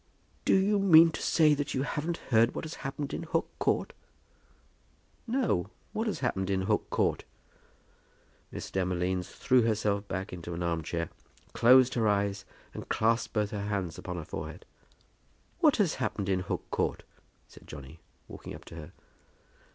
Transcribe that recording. "Do you mean to say that you haven't heard what has happened in Hook Court?" "No; what has happened in Hook Court?" Miss Demolines threw herself back into an arm chair, closed her eyes, and clasped both her hands upon her forehead. "What has happened in Hook Court?" said Johnny, walking up to her.